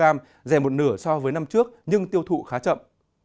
rẻ một nửa so với năm trước nhưng tiêu thụ khá chậm